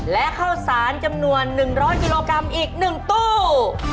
และข้าวสารจำนวน๑๐๐กิโลกรัมอีก๑ตู้